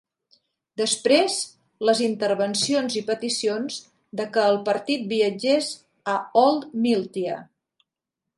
Després, les intervencions i peticions de que el partit viatgés a Old Miltia.